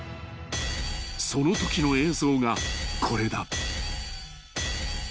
［そのときの映像がこれだ］